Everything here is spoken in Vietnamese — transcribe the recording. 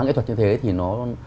nghệ thuật như thế thì nó